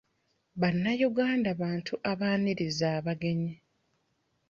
Bannayuganda bantu abaaniriza abagenyi.